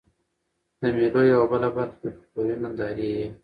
د مېلو یوه بله برخه د فکلوري نندارې يي.